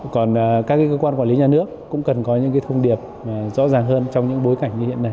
còn các cơ quan quản lý nhà nước cũng cần có những thông điệp rõ ràng hơn trong những bối cảnh như hiện nay